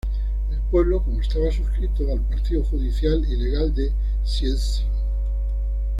El pueblo como estaba suscrito al partido judicial y legal de Cieszyn.